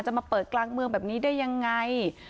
มาเปิดกลางเมืองแบบนี้ได้ยังไง